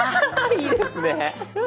いいですね。